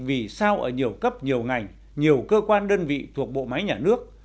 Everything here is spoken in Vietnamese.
vì sao ở nhiều cấp nhiều ngành nhiều cơ quan đơn vị thuộc bộ máy nhà nước